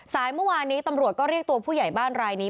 เมื่อวานนี้ตำรวจก็เรียกตัวผู้ใหญ่บ้านรายนี้